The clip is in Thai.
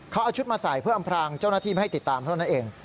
เขาเอาชุดมาใส่เพื่ออำพรางเจ้าหน้าที่ไม่ให้ติดตามเท่านั้นเอง